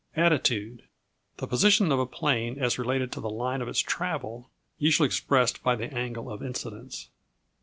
Attitude The position of a plane as related to the line of its travel; usually expressed by the angle of incidence.